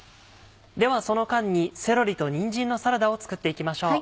ではその間にセロリとにんじんのサラダを作っていきましょう。